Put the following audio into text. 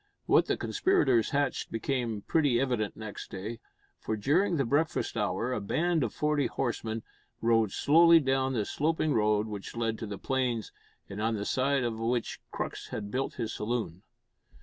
What the conspirators hatched became pretty evident next day, for, during the breakfast hour, a band of forty horsemen rode slowly down the sloping road which led to the plains, and on the side of which Crux had built his saloon.